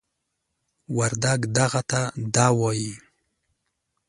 وردگ "دغه" ته "دَ" وايي.